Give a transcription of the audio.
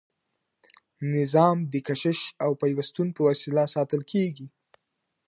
نظام د کشش او پیوستون په وسیله ساتل کیږي.